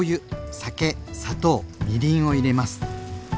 酒砂糖みりんを入れます。